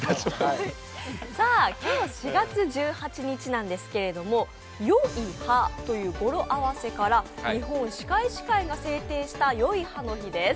今日４月１８日ですがよい歯という語呂合わせから日本歯科医師会が制定した４１８の日です。